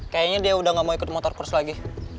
kayanya dia udah ga mau ikut motocross lagi